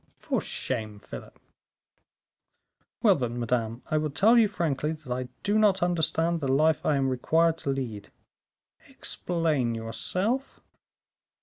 "For shame, Philip." "Well, then, madame, I will tell you frankly that I do not understand the life I am required to lead." "Explain yourself."